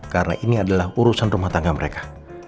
karena ini adalah urusan rumah tangga mereka